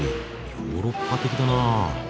ヨーロッパ的だな。